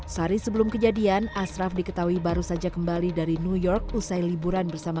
sehari sebelum kejadian ashraf diketahui baru saja kembali dari new york usai liburan bersama